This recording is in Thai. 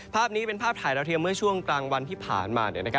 ภาพนี้เป็นภาพถ่ายดาวเทียมเมื่อช่วงกลางวันที่ผ่านมา